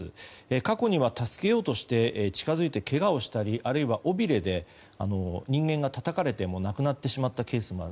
過去には助けようとして近づいてけがをしたりあるいは尾びれで人間がたたかれて亡くなってしまったケースもある。